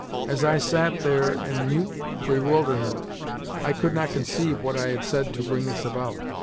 As I sat there in mute bewilderment, I could not conceive what I had said to bring this about.